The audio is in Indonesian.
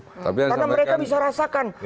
karena mereka bisa rasakan